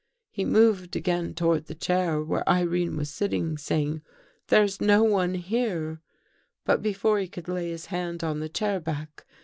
He moved again toward the chair where Irene was sitting, saying, ' There's i no one here.' " But before he could lay his hand on the chair back.